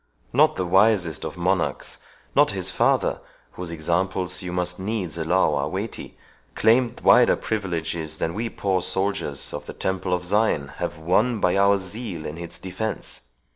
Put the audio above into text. Not the wisest of monarchs, not his father, whose examples you must needs allow are weighty, claimed wider privileges than we poor soldiers of the Temple of Zion have won by our zeal in its defence.